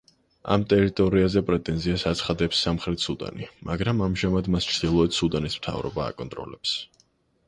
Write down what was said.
ამ ტერიტორიაზე პრეტენზიას აცხადებს სამხრეთი სუდანი, მაგრამ ამჟამად მას ჩრდილოეთ სუდანის მთავრობა აკონტროლებს.